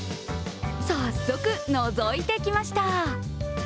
早速、のぞいてきました。